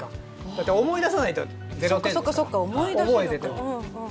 だって思い出さないと０点だから覚えてても。